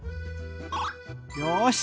よし！